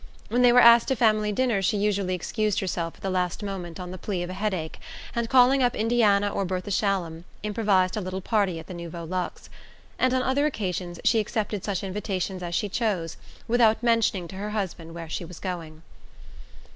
When they were asked to family dinners she usually excused herself at the last moment on the plea of a headache and, calling up Indiana or Bertha Shallum, improvised a little party at the Nouveau Luxe; and on other occasions she accepted such invitations as she chose, without mentioning to her husband where she was going.